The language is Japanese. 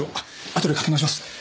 ああとでかけ直します。